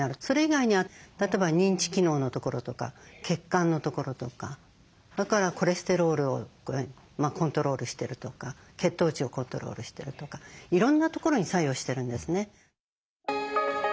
それ以外には例えば認知機能のところとか血管のところとかそれからコレステロールをコントロールしてるとか血糖値をコントロールしてるとかいろんなところに作用してるんですね。